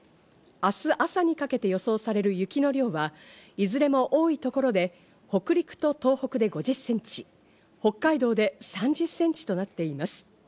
明日朝にかけて予想される雪の量はいずれも多い所で北陸と東北で５０ｃｍ、北海道で３０ｃｍとなっています。